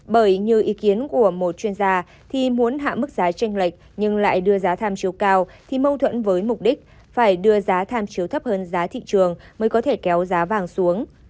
bởi như ý kiến của một chuyên gia thì muốn hạ mức giá tranh lệch nhưng lại đưa giá tham chiếu cao thì mâu thuẫn với mục đích phải đưa giá tham chiếu thấp hơn giá thị trường mới có thể kéo giá vàng xuống